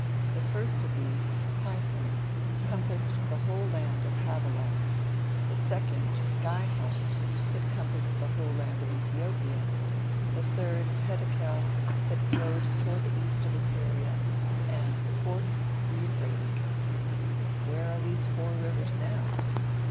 The first of these, Pison, compassed the whole land of Havilah, the second, Gihon, that compassed the whole land of Ethiopia, the third, Heddekel, that flowed toward the east of Assyria, and the fourth, the Euphrates. Where are these four rivers now?